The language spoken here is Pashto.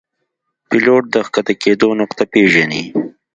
پیلوټ د ښکته کېدو نقطه پیژني.